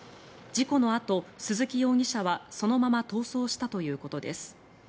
事故のあと鈴木容疑者はそのまま逃走したということです。